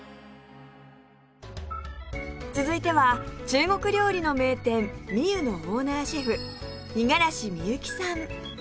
続いては中国料理の名店美虎のオーナーシェフ五十嵐美幸さん